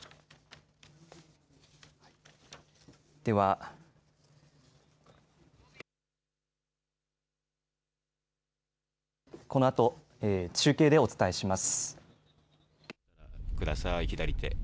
では、このあと、中継でお伝えします。